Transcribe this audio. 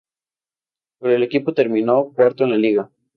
Pero el equipo terminó cuarto en la Liga.